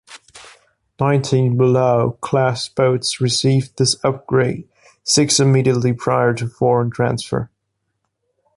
Nineteen "Balao"-class boats received this upgrade, six immediately prior to foreign transfer.